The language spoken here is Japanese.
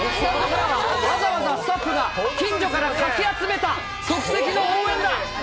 わざわざスタッフが近所からかき集めた、即席の応援団。